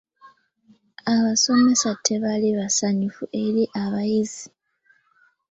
Abasomesa tebaali basanyufu eri abayizi.